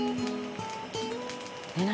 「何？